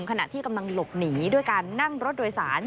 ขณะที่กำลังหลบหนีด้วยการนั่งรถโดยสาร